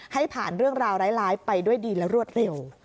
ให้ผ่านเรื่องราวร้ายไปด้วยดีและรวดเร็ว